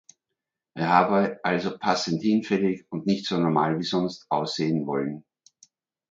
Er habe also passend hinfällig und nicht so normal wie sonst aussehen wollen.